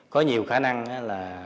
có nhiều khả năng là